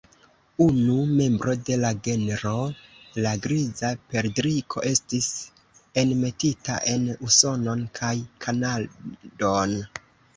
Unu membro de la genro, la Griza perdriko, estis enmetita en Usonon kaj Kanadon.